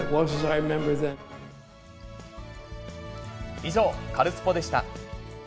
以上、カルスポっ！でした。